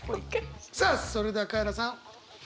さあそれではカエラさん。